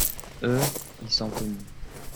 Eux, ils sont connus.